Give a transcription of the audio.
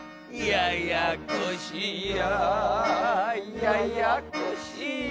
ややこしや。